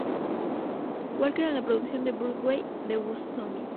Walker en la producción de Broadway "The Who's Tommy".